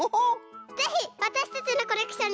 ぜひわたしたちのコレクションにさせてね。